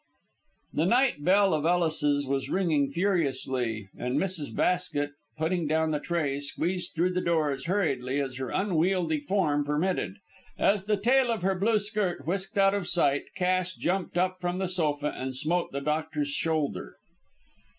The night bell of Ellis's was ringing furiously, and Mrs. Basket, putting down the tray, squeezed through the door as hurriedly as her unwieldy form permitted. As the tail of her blue skirt whisked out of sight, Cass jumped up from the sofa and smote the doctor's shoulder.